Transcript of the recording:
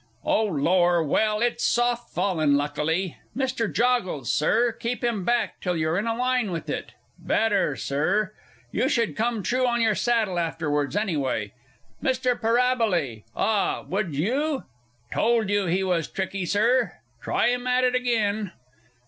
Oh, Lor, well, it's soft falling luckily! Mr. Joggles, Sir, keep him back till you're in a line with it.... Better, Sir; you come down true on your saddle afterwards anyway!... Mr. Parabole!... Ah, would you? Told you he was tricky, Sir! Try him at it again....